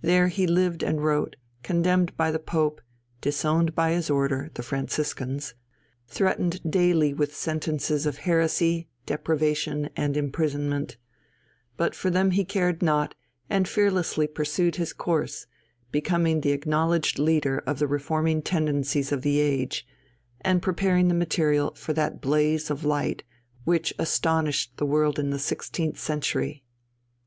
There he lived and wrote, condemned by the Pope, disowned by his order, the Franciscans, threatened daily with sentences of heresy, deprivation, and imprisonment; but for them he cared not, and fearlessly pursued his course, becoming the acknowledged leader of the reforming tendencies of the age, and preparing the material for that blaze of light which astonished the world in the sixteenth century.